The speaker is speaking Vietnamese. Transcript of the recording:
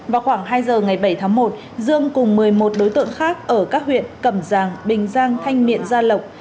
vào khoảng hai giờ ngày bảy tháng một dương cùng một mươi một đối tượng khác ở các huyện cẩm giang bình giang thanh miện gia lộc